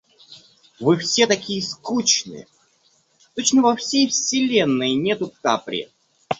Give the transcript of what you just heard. Вы все такие скучные, точно во всей вселенной нету Капри.